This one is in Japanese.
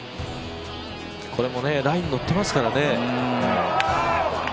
これもラインに乗ってますからね。